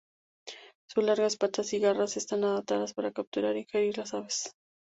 Sus largas patas y garras están adaptadas para capturar e ingerir a las aves.